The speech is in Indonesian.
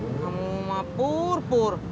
kamu mah pur pur